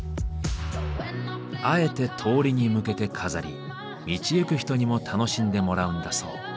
あえて通りに向けて飾り道行く人にも楽しんでもらうんだそう。